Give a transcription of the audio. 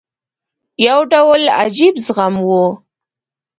یو ډول عجیب زغم وو.